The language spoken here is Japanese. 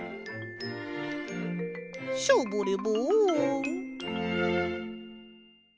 ショボレボン。